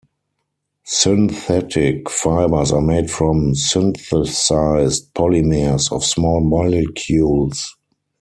Synthetic fibers are made from synthesized polymers of small molecules.